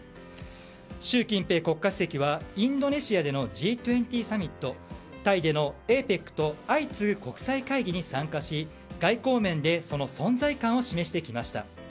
習近平国家主席はインドネシアでのＧ２０サミットタイでのＡＰＥＣと相次ぐ国際会議に参加し外交面でその存在感を示してきました。